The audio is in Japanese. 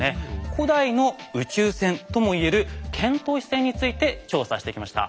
古代の宇宙船とも言える遣唐使船について調査してきました。